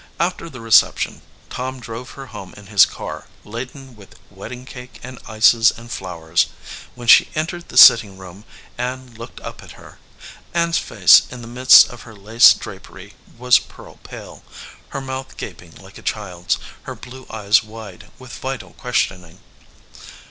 After the reception Tom drove her home in his car, laden with wedding cake and ices and flowers. When she entered the sitting room Ann looked up at her. Ann s face in the midst of her lace drapery was pearl pale, her mouth gaping like a child s, her blue eyes wide with vital question ing.